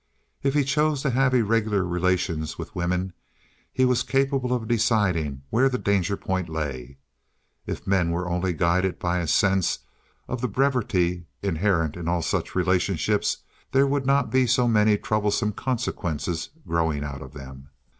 If he chose to have irregular relations with women, he was capable of deciding where the danger point lay. If men were only guided by a sense of the brevity inherent in all such relationships there would not be so many troublesome consequences growing out of them.